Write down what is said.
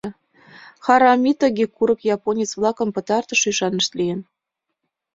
Харамитоги курык японец-влакын пытартыш ӱшанышт лийын.